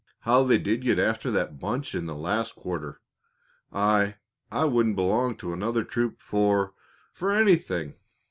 "How they did get after that bunch in the last quarter! I I wouldn't belong to any other troop for for anything!"